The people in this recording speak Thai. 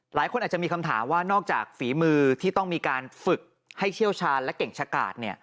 หลายคนอาจจะมีคำถามว่านอกจากฝีมือที่ต้องมีการฝึกให้เชี่ยวชาญและเก่งชะกาด